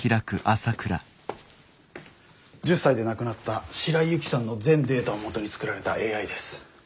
１０才で亡くなった白井雪さんの全データをもとに作られたＡＩです。